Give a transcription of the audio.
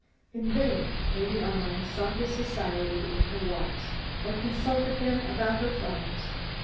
In vain Lady Armine sought his society in her walks, or consulted him about her flowers.